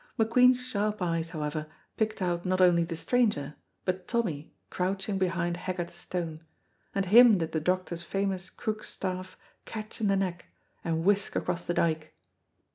McQueen's sharp eyes, however, picked out not only the stranger but Tommy crouching behind Haggart's stone, and him did the doctor's famous crook staff catch in the neck and whisk across the dyke.